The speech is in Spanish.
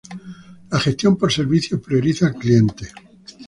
La gestión por servicios prioriza al cliente.